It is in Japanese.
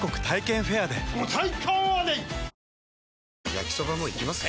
焼きソバもいきます？